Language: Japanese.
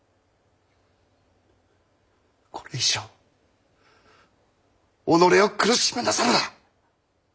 これ以上己を苦しめなさるな。